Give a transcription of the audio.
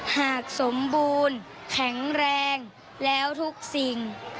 หากสมบูรณ์แข็งแรงแล้วทุกสิ่ง